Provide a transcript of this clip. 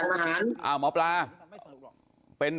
มันเป็นบาปอย่างหลาส